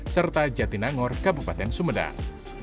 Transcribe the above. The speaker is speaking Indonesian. serta jatinangor kabupaten sumedang